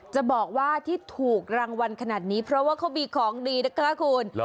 จะบอกว่าที่ถูกรางวัลขนาดนี้เพราะว่าเขามีของดีนะคะคุณ